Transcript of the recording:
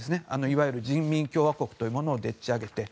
いわゆる人民共和国というものをでっち上げて。